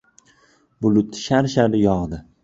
Bulut sharr-sharr yog‘di.